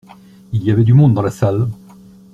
Il y avait du monde dans la salle.